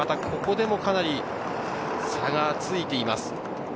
ここでもまたかなり差がついています。